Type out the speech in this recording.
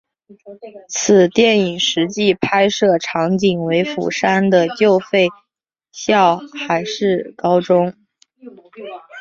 此电影实际拍摄场景为釜山的旧废校海事高中。